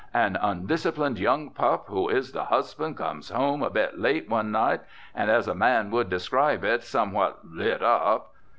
An undisciplined young pup who is the husband comes home a bit late one night, and, as a man would describe it, somewhat 'lit up.'